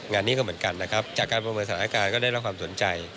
งานนี้ก็เหมือนกันนะครับจากการประเมินสถานการณ์ก็ได้รับความสนใจ